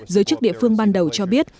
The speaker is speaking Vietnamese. giới chức địa phương ban đầu cho biết